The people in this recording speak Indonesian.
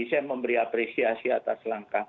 saya memberi apresiasi atas langkah